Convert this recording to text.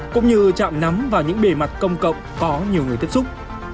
cũng như chạm nắm và những bề mặt công cộng có nhiều người tiếp xúc